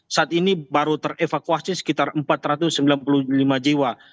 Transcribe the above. saat ini baru terevakuasi sekitar empat ratus sembilan puluh lima jiwa